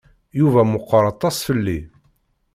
Yuba meqqeṛ aṭas fell-i.